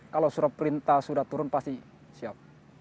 kalau surat perintah sudah turun pasti siap